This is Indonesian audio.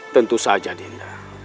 tentu saja dinda